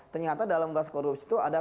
ternyata dalam beras korupsi itu ada